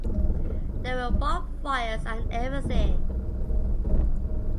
There were bonfires and everything.